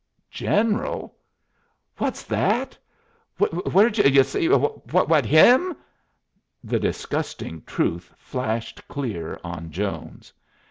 "General? What's that? Where did y'u see What? Him?" The disgusting truth flashed clear on Jones.